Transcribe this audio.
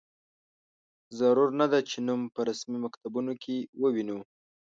ضرور نه ده چې نوم په رسمي مکتوبونو کې ووینو.